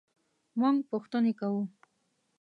مونږ پوښتنې کوو